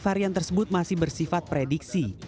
varian tersebut masih bersifat prediksi